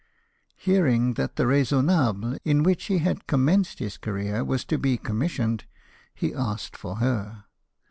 Hearing that the Raisonnahle, in which he had commenced his career, was to be commissioned, he asked for her.